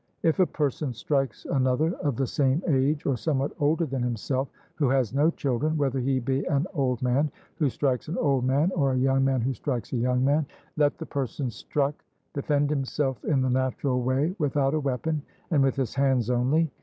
If a person strikes another of the same age or somewhat older than himself, who has no children, whether he be an old man who strikes an old man or a young man who strikes a young man, let the person struck defend himself in the natural way without a weapon and with his hands only.